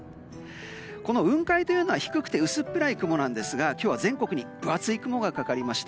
この雲海というのは低くて薄っぺらい雲なんですが今日は全国に分厚い雲がかかりました。